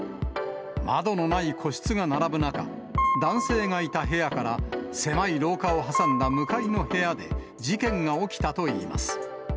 窓のない個室が並ぶ中、男性がいた部屋から狭い廊下を挟んだ向かいの部屋で、事件が起きたといいます。